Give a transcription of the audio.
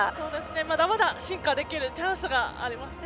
まだまだ進化できるチャンスがありますね。